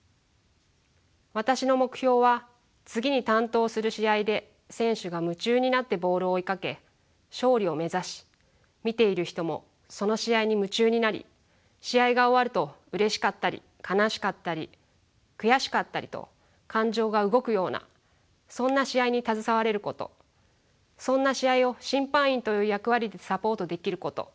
私の目標は次に担当する試合で選手が夢中になってボールを追いかけ勝利を目指し見ている人もその試合に夢中になり試合が終わるとうれしかったり悲しかったり悔しかったりと感情が動くようなそんな試合に携われることそんな試合を審判員という役割でサポートできること。